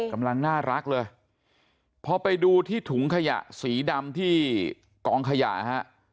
กำลังน่ารักเลยพอไปดูที่ถุงขยะสีดำที่กองขยะฮะ